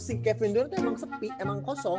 si kevin duran tuh emang sepi emang kosong